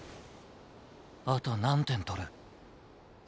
あと何点取る？